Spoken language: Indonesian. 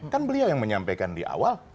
kan beliau yang menyampaikan di awal